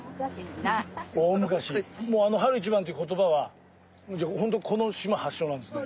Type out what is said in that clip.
大昔「春一番」っていう言葉はホントこの島発祥なんですね。